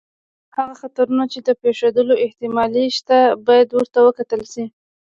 هغه خطرونه چې د پېښېدلو احتمال یې شته، باید ورته وکتل شي.